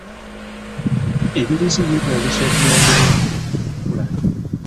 Ebiriisa byetaagisa okuyamba emibiri gyaffe okukula.